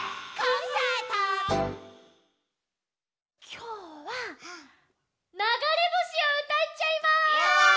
きょうは「ながれぼし」をうたっちゃいます！